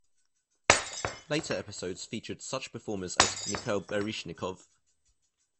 Later episodes featured such performers as Mikhail Baryshnikov.